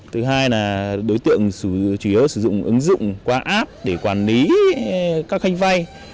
thứ hai là đối tượng chủ yếu sử dụng ứng dụng qua app để quản lý các khanh vay